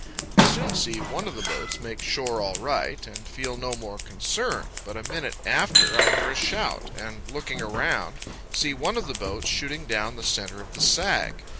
I soon see one of the boats make shore all right, and feel no more concern; but a minute after, I hear a shout, and, looking around, see one of the boats shooting down the center of the sag.